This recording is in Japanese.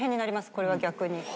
これは逆に。